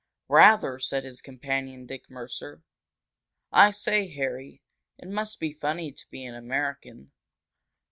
"Rather!" said his companion, Dick Mercer. "I say, Harry, it must be funny to be an American!"